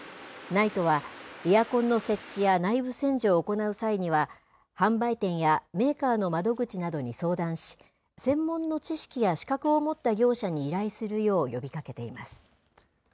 ＮＩＴＥは、エアコンの設置や内部洗浄を行う際には、販売店やメーカーの窓口などに相談し、専門の知識や資格を持った業者に依頼するよう呼びかけています。